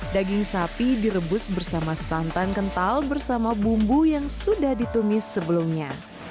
daging sapi direbus bersama santan kental bersama bumbu yang sudah ditumis sebelumnya